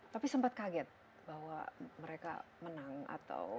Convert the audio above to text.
tapi sempat kaget bahwa mereka menang atau